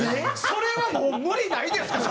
それはもう無理ないですか？